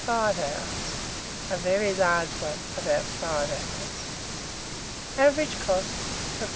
5 hours; a very large one, about 5 hours. Average cost, from 8d.